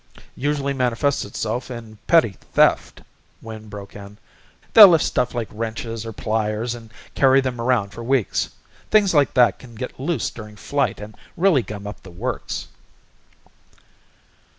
"Usually manifests itself in petty theft," Wynn broke in. "They'll lift stuff like wrenches or pliers and carry them around for weeks. Things like that can get loose during flight and really gum up the works."